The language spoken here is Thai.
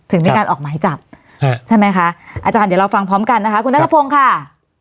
ถึงมีการออกหมายจับใช่ไหมคะอาจารย์เดี๋ยวเราฟังพร้อมกันนะคะคุณนัทพงศ์ค่ะ